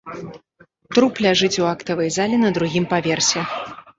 Труп ляжыць у актавай зале на другім паверсе.